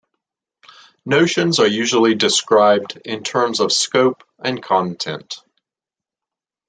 Notions are usually described in terms of scope and content.